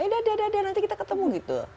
ya udah udah udah nanti kita ketemu gitu